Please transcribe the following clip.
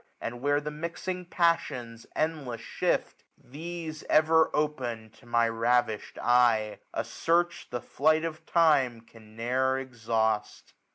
And where the mixing passions endless shift ; These ever open to my ravish'd eyej A search, the flight of time can ne'er exhaust.